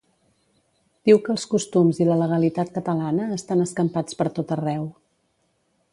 Diu que els costums i la legalitat catalana estan escampats per tot arreu.